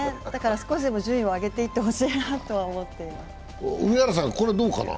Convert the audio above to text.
少しでも順位を上げていってほしいなと思っています。